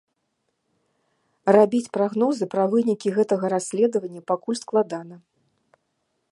Рабіць прагнозы пра вынікі гэтага расследавання пакуль складана.